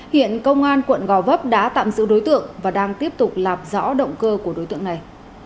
hiện công an quận gò vấp đã tạm giữ đối tượng và đang tiếp tục lạp dõi động cơ của đối tượng này